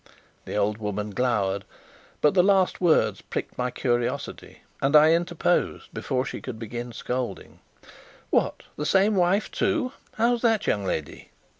The old woman glowered; but the last words pricked my curiosity, and I interposed before she could begin scolding: "What, the same wife, too! How's that, young lady?"